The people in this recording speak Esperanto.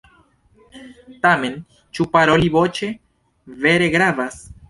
Tamen, ĉu paroli voĉe vere gravas?